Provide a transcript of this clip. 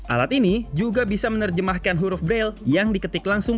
alat ini juga bisa menerjemahkan huruf braille yang diketik langsung